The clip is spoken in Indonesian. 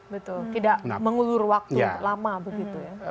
betul tidak mengulur waktu lama begitu ya